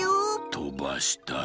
とばしたい。